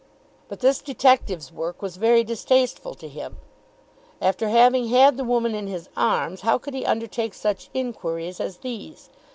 But this detective's work was very distasteful to him. After having had the woman in his arms how could he undertake such inquiries as these?